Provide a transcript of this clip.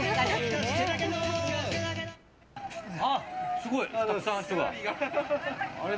すごい、たくさん人が。